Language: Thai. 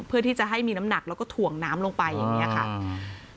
เพื่อที่จะให้มีน้ำหนักแล้วก็ถ่วงน้ำลงไปอย่างเงี้ยค่ะอืม